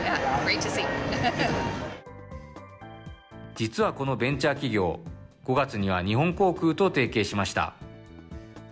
実はこのベンチャー企業、５月には日本航空と提携しました。